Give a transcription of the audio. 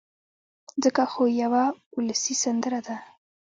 ځکه خو يوه اولسي سندره ده